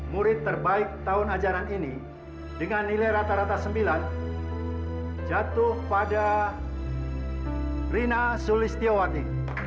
murid terbaik tahun ajaran ini dengan nilai rata rata sembilan jatuh pada rina sulistiawati